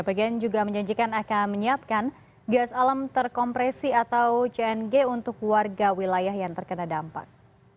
pgn juga menjanjikan akan menyiapkan gas alam terkompresi atau cng untuk warga wilayah yang terkena dampak